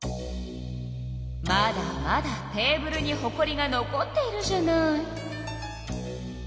まだまだテーブルにほこりが残っているじゃない。